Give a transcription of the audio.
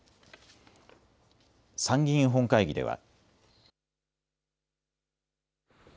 参議院本会議では。